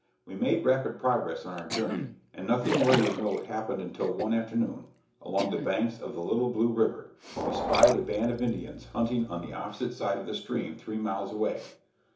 We made rapid progress on our journey, and nothing worthy of note happened until one afternoon, along the banks of the Little Blue River, we spied a band of Indians hunting on the opposite side of the stream, three miles away.